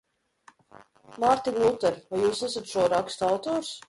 Mārtiņ Luter, vai jūs esat šo rakstu autors?